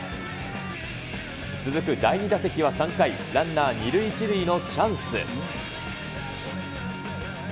続く第２打席は３回、ランナー２塁１塁のチャンス。